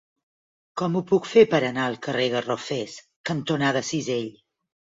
Com ho puc fer per anar al carrer Garrofers cantonada Cisell?